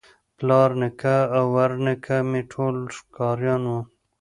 پلار نیکه او ورنیکه مي ټول ښکاریان وه